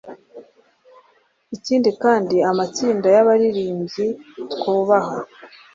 Ikindi kandi amatsinda y'abaririmbyi twubaha